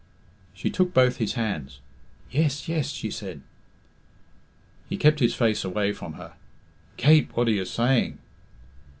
She took both his hands. "Yes, yes," she said. He kept his face away from her. "Kate, what are you saying?"